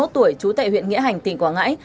ba mươi một tuổi chú tệ huyện nghĩa hành tp quảng ngãi